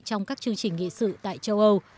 trong các chương trình nghị sự tại châu âu